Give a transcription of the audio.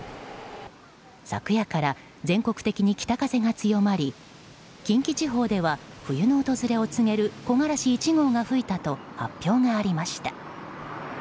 昨夜から全国的に北風が強まり近畿地方では冬の訪れを告げる木枯らし１号が吹いたと発表がありました。